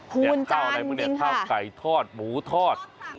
หูลจานมึงค่ะเนี่ยท่าวไก่ทอดหมูทอด